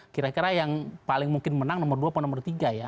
kira kira yang paling mungkin menang nomor dua atau nomor tiga ya